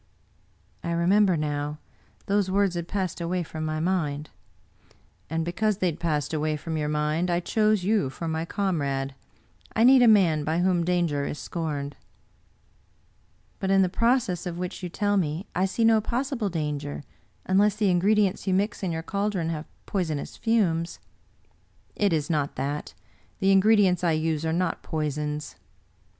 " I remember now ; those words had passed away from my mind." 80 Bidwer Lytton " And because they had passed away from your mind, I chose you for my comrade. I need a man by whom danger is scorned." " But in the process of which you tell me I see no pos sible danger unless the ingredients you mix in your caldron have poisonous fumes." " It is not that. The ingredients I use are not poisons."